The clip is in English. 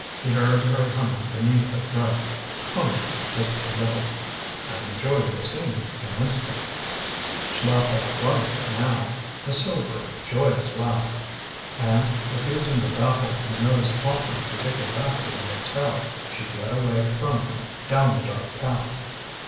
He heard her humming beneath her breath humming Just a Little. "I've enjoyed your singing immensely." She laughed outright now a silvery joyous laugh. And, refusing the baffled Minot's offer to take her back to the hotel, she fled away from him down the dark path.